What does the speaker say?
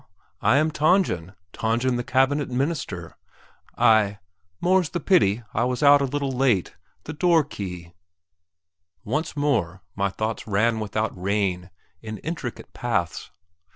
I am Tangen Tangen, the Cabinet Minister. I more's the pity I was out a little late ... the door key." Once more my thoughts ran without rein in intricate paths.